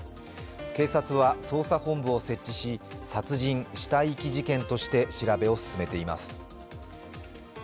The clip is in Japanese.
警察は捜査本部を設置し殺人・死体遺棄事件として調べを進めています。